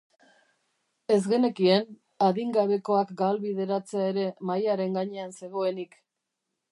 Ez genekien adingabekoak galbideratzea ere mahaiaren gainean zegoenik.